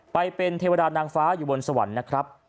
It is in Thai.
ไปเป็นเทวดานางฟ้าอยู่บนสวรรค์นะครับ